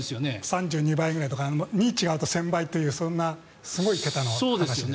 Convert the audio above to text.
３２倍ぐらいとか２違うと１０００倍とかそんなすごい桁の話です。